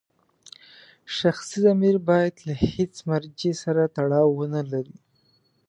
شخصي ضمیر باید له هېڅ مرجع سره تړاو ونلري.